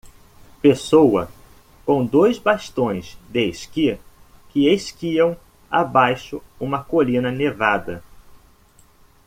Pessoa com dois bastões de esqui que esquiam abaixo uma colina nevada